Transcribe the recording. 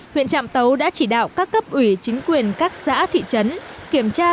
huyện trạm tấu đã chỉ đạo các cấp ủy chính quyền các xã thị trấn kiểm tra